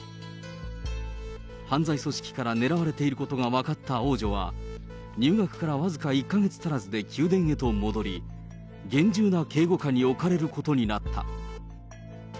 犯罪組織から狙われていることが分かった王女は、入学から僅か１か月足らずで宮殿へと戻り、厳重な警護下に置かれることになった。